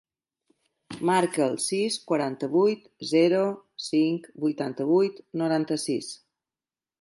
Marca el sis, quaranta-vuit, zero, cinc, vuitanta-vuit, noranta-sis.